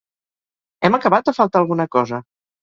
Hem acabat o falta alguna cosa?